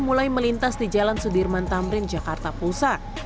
mulai melintas di jalan sudirman tamrin jakarta pusat